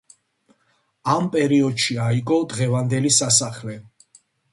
ამ პერიოდში აიგო დღევანდელი სასახლე.